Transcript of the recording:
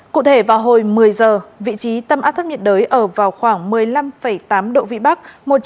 cụ thể vào hồi một mươi giờ vị trí tâm áp thấp nhiệt đới ở vào khoảng một mươi năm tám độ vĩ bắc